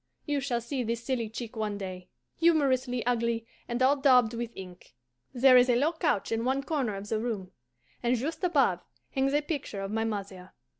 You shall see this silly chick one day, humorously ugly and all daubed with ink. There is a low couch in one corner of the room, and just above hangs a picture of my mother.